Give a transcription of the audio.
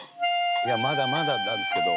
「いやまだまだなんですけど」